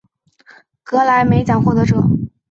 格莱美奖获得者。